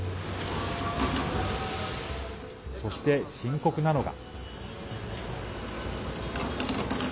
そして、深刻なのが。